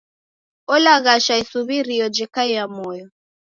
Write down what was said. Olaghasha isuw'irio jekaia moyo.